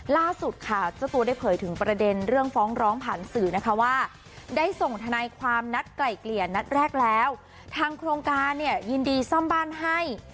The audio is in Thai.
ล่าสุดค่ะเจ้าตัวได้เผยถึงประเด็นเรื่องฟ้องร้องผ่านสื่อนะคะว่าได้ส่งทนายความนัดไกล่เกลี่ยนัดแรกแล้วทางโครงการเนี่ยยินดีซ่อมบ้านให้